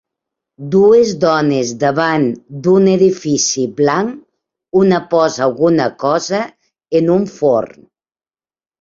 Dues dones davant d'un edifici blanc, una posa alguna cosa en un forn.